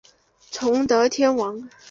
崇德天皇。